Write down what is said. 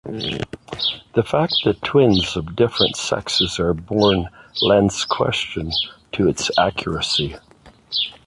The fact that twins of different sexes are born lends question to its accuracy.